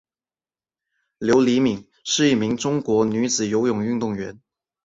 刘黎敏是一名中国女子游泳运动员。